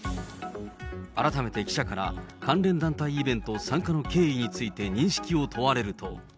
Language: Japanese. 改めて記者から、関連団体イベント参加の経緯について認識を問われると。